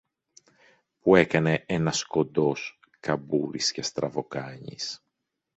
που έκανε ένας κοντός, καμπούρης και στραβοκάνης.